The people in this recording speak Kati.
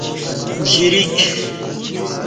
جریک